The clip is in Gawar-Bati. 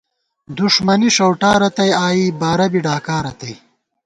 دُݭمَنی ݭَؤٹا رتئ آئی، بارہ بی ڈاکا رتئ